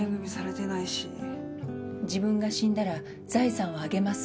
「自分が死んだら財産をあげます」